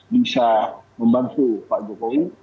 bisa membantu pak jokowi